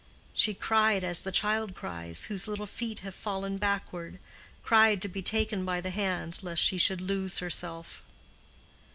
She cried as the child cries whose little feet have fallen backward—cried to be taken by the hand, lest she should lose herself.